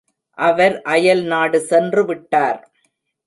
அவர் அயல்நாடு சென்று விட்டார்.